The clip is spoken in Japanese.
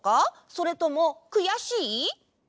それともくやしい？